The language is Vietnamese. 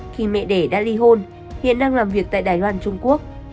khi mẹ đẻ đã ly hôn hiện đang làm việc tại đài loan trung quốc